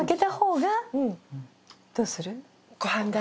どうする？